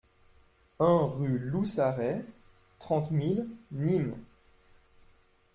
un rue Lou Sarraie, trente mille Nîmes